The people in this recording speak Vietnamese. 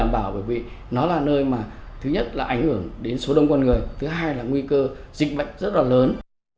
bởi vì nó là nơi mà thứ nhất là ảnh hưởng đến số đông con người thứ hai là nguy cơ dịch bệnh rất là lớn